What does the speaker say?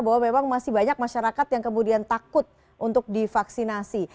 bahwa memang masih banyak masyarakat yang kemudian takut untuk divaksinasi